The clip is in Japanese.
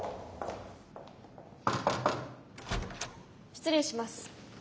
失礼します。